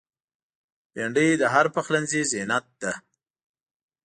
بېنډۍ د هر پخلنځي زینت ده